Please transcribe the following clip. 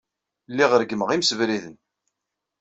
Lliɣ reggmeɣ imsebriden.